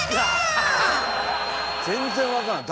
全然分からん。